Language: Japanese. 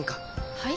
はい？